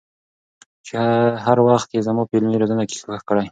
چې هر وخت يې زما په علمي روزنه کي کوښښ کړي